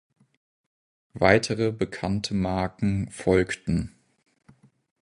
Weitere bekannte Marken folgten.